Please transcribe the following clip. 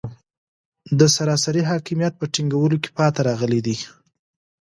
د سراسري حاکمیت په ټینګولو کې پاتې راغلي دي.